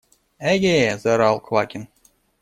– Эге! – заорал Квакин.